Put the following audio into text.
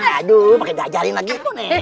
aduh pake dah jalin lagi